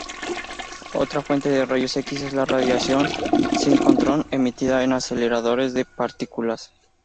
Otra fuente de rayos X es la radiación sincrotrón emitida en aceleradores de partículas.